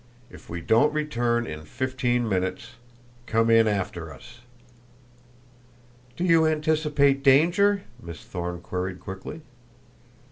If we don't return in fifteen minutes come in after us!" "Do you anticipate danger?" Miss Thorne queried quickly.